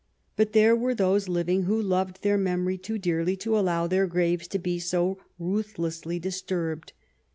But there were those living who loved their memory too dearly to allow their graves to be so ruthlessly dis turbed.